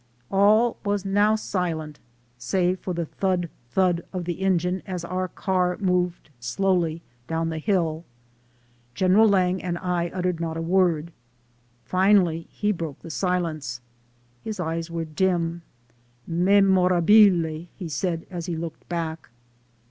All was now silent, save for the thud thud of the engine as our car moved slowly down the hill. General Lang and I uttered not a word. Finally he broke the silence. His eyes were dim. "Memorabile !" he said as he looked back.